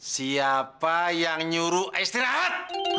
siapa yang nyuruh istirahat